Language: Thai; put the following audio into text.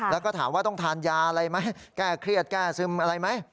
แล้วก็ถามว่าต้องทานยาอะไรไหมแก้เครียดแก้ซึมอะไรไหม